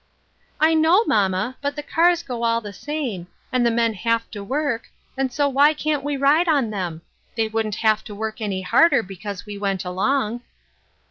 " I know, mamma ; but the cars go all the same, and the men have to work, and so why can't we ride on them ? They wouldn't have to work any harder because we went along."